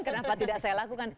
kenapa tidak saya lakukan